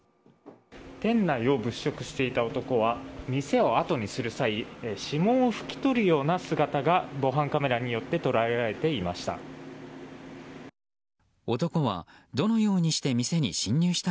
店内を物色していた男は店をあとにする際指紋を拭き取るような姿が防犯カメラによって捉えられていました。